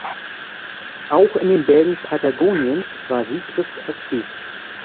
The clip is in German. Auch in den Bergen Patagoniens war Siegrist aktiv.